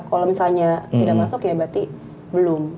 kalau misalnya tidak masuk ya berarti belum